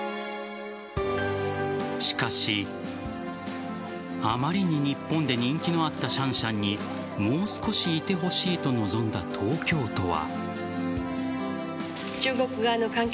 しかし、あまりに日本で人気のあったシャンシャンにもう少しいてほしいと望んだ東京都は。